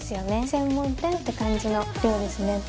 専門店って感じの量ですね。